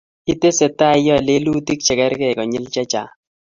Itesetai iyae lelutik che kargei konyil che chang